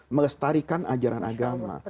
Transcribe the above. melestarikan ajaran agama